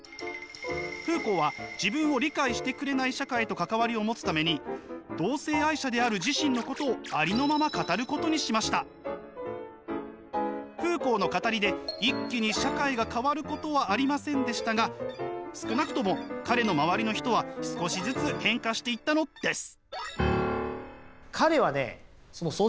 フーコーは自分を理解してくれない社会と関わりを持つために同性愛者である自身のことをフーコーの語りで一気に社会が変わることはありませんでしたが少なくとも彼の周りの人は少しずつ変化していったのです。